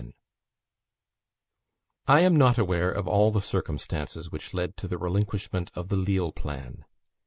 CHAPTER XI I am not aware of all the circumstances which led to the relinquishment of the Lille plan.